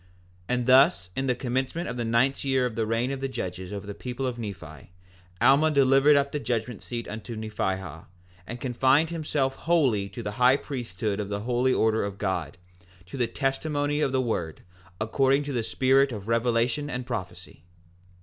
4:20 And thus in the commencement of the ninth year of the reign of the judges over the people of Nephi, Alma delivered up the judgment seat to Nephihah, and confined himself wholly to the high priesthood of the holy order of God, to the testimony of the word, according to the spirit of revelation and prophecy.